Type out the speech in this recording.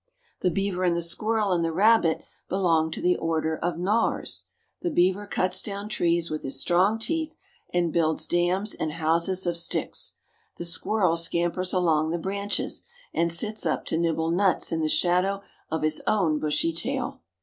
The beaver and the squirrel and the rabbit belong to the Order of Gnawers. The beaver cuts down trees with his strong teeth, and builds dams and houses of sticks. The squirrel scampers along the branches, and sits up to nibble nuts in the shadow of his own bushy tail.